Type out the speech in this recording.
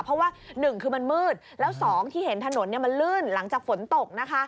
เพราะว่า๑คือมันมืดแล้ว๒ที่เห็นถนนมันลื่นหลังจากฝนตกนะคะ